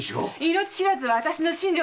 命知らずは私の身上！